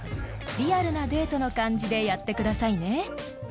リアルなデートの感じでやってくださいね］